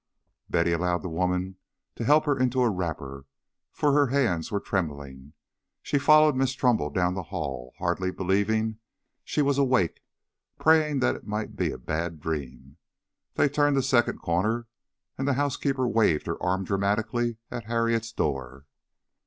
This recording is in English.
Betty allowed the woman to help her into a wrapper, for her hands were trembling. She followed Miss Trumbull down the hall, hardly believing she was awake, praying that it might be a bad dream. They turned the second corner, and the housekeeper waved her arm dramatically at Harriet's door.